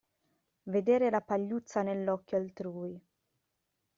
Vedere la pagliuzza nell'occhio altrui.